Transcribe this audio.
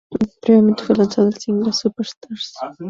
Previamente fue lanzado, el single "Superstars".